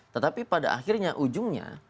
tetapi pada akhirnya ujungnya